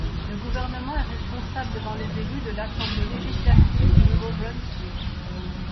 Le gouvernement est responsable devant les élus de l'Assemblée législative du Nouveau-Brunswick.